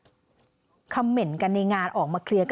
ทีนี้จากการสืบส่งของตำรวจพวกต้นเนี่ยค่ะ